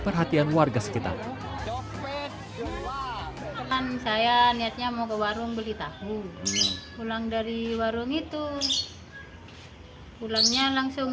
perhatian warga sekitaran saya niatnya mau ke warung beli tahu pulang dari warung itu pulangnya langsung